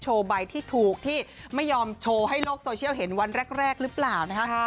โชว์ใบที่ถูกไม่ยอมโชว์ให้โลกโซเชียลจะเห็นวันแรกหรือเปล่า